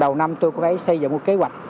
đầu năm tôi có phải xây dựng một kế hoạch